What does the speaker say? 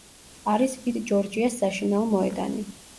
არის „ვიტ ჯორჯიას“ საშინაო მოედანი.